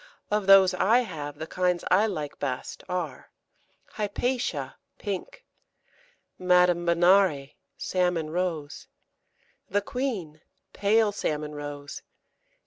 Of those I have, the kinds I like best are Hypatia, pink. Madame Benare, salmon rose. The Queen, pale salmon rose.